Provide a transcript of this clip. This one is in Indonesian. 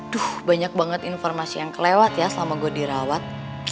duh banyak banget informasi yang kelewat ya selama gue dirawat